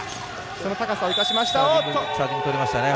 その高さを生かしました。